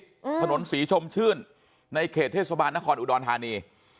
อืมถนนศรีชมชื่นในเขตเทศบาลนครอุดรธานี